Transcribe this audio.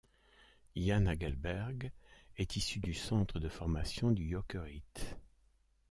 Jan Hagelberg est issue du centre de formation du Jokerit.